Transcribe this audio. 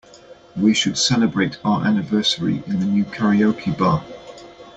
We should celebrate our anniversary in the new karaoke bar.